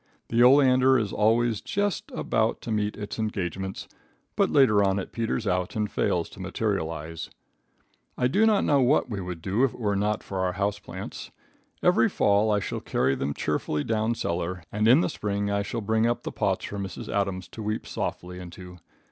The oleander is always just about to meet its engagements, but later on it peters out and fails to materialize. I do not know what we would do if it were not for our house plants. Every fall I shall carry them cheerfully down cellar, and in the spring I will bring up the pots for Mrs. Adams to weep softly into.